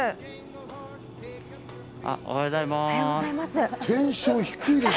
おはようございます。